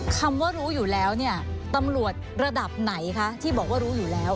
คำว่ารู้อยู่แล้วเนี่ยตำรวจระดับไหนคะที่บอกว่ารู้อยู่แล้ว